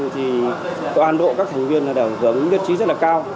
toàn độ các thành viên đã hưởng nhất trí rất cao